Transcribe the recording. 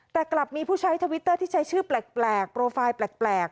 แต่กลับมีผู้ใช้ทวิตเตอร์ที่ใช้ชื่อแปลกโปรไฟล์แปลก